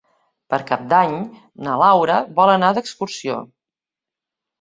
Per Cap d'Any na Laura vol anar d'excursió.